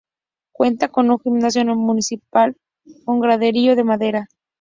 Cuenta con un gimnasio municipal con graderío de madera.